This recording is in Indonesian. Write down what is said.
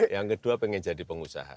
yang kedua pengen jadi pengusaha